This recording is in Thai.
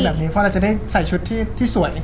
เพราะเราจะได้ใส่ชุดที่สวย